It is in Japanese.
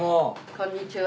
こんにちは。